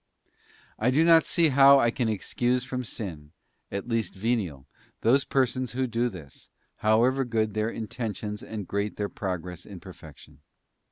I do not see how I can excuse from sin, at least venial, those persons who do this, however good their intentions and great their progress in perfection.